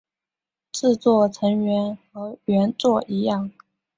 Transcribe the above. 制作成员和原作一样。